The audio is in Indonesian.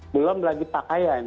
belum lagi pakaian